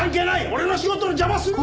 俺の仕事の邪魔するな！